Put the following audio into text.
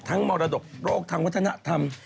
ทั้งมรดกโลกทั้งวัฒนธรรม